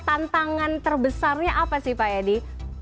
tantangan terbesarnya apa sih pak edi